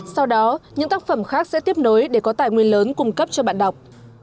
sau đó những tác phẩm khác sẽ tiếp nối để có tài nguyên lớn cung cấp cho bạn đọc